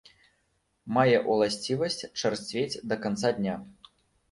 Мае ўласцівасць чарсцвець да канца дня.